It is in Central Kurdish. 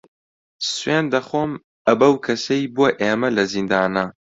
سوێند دەخۆم ئە بەو کەسەی بۆ ئێمە لە زیندانە